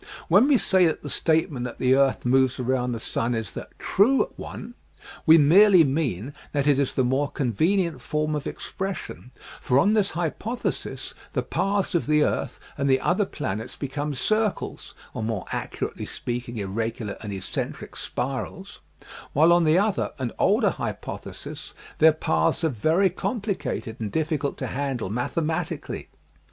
When we say that the statement that the earth moves around the sun is the " true " one, we merely mean that it is the more convenient form of expression, for on this hypothesis the paths of the earth and the other planets become circles (or more accurately speaking, irregular and eccentric spirals) while on the other and older hypothesis their paths a^ e very complicated and difficult to handle mathemati 106 EASY LESSONS IN EINSTEIN cally.